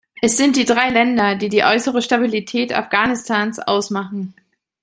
Es sind die drei Länder, die die äußere Stabilität Afghanistans ausmachen.